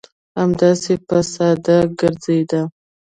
همداسې به ساده ګرځېده.